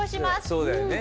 そうだよね